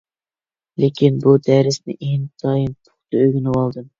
لېكىن، بۇ دەرسنى ئىنتايىن پۇختا ئۆگىنىۋالدىم.